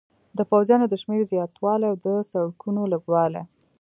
د پوځیانو د شمېر زیاتوالی او د سړکونو لږوالی.